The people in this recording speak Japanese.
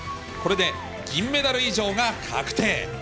これで銀メダル以上が確定。